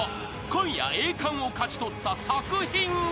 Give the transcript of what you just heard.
今夜栄冠を勝ち取った作品は］